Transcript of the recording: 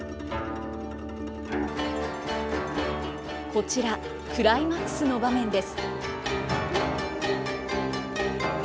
こちらクライマックスの場面です。